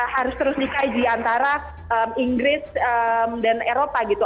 harus terus dikaji antara inggris dan eropa gitu